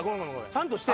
ちゃんとして。